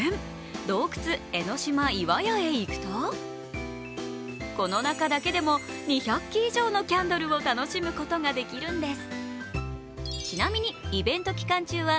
洞窟、江の島岩屋へ行くとこの中だけでも２００基以上のキャンドルを楽しむことができるんです。